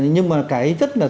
nhưng mà cái rất là